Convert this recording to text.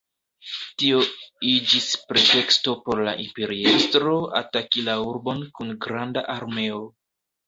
Tio iĝis preteksto por la imperiestro ataki la urbon kun granda armeo.